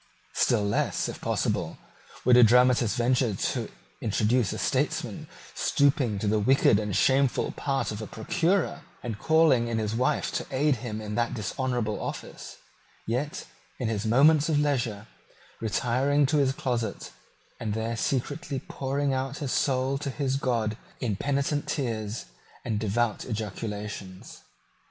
Still less, if possible, would a dramatist venture to introduce a statesman stooping to the wicked and shameful part of a procurer, and calling in his wife to aid him in that dishonourable office, yet, in his moments of leisure, retiring to his closet, and there secretly pouring out his soul to his God in penitent tears and devout ejaculations.